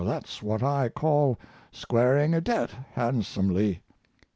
That's what I call squaring a debt handsomely."